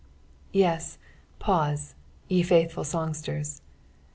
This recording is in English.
Yes, pause, ye faithful Bongatera.